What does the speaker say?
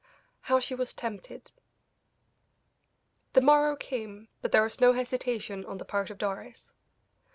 HOW SHE WAS TEMPTED. The morrow came, but there was no hesitation on the part of Doris.